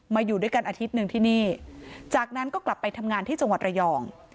อยู่ด้วยกันอาทิตย์หนึ่งที่นี่จากนั้นก็กลับไปทำงานที่จังหวัดระยอง